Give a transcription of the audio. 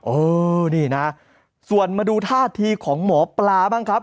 เออนี่นะส่วนมาดูท่าทีของหมอปลาบ้างครับ